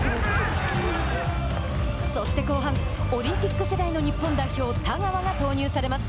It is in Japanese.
そして後半オリンピック世代の日本代表田川が投入されます。